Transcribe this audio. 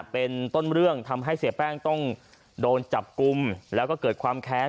เป็นต้นเรื่องทำให้เสียแป้งต้องโดนจับกลุ่มแล้วก็เกิดความแค้น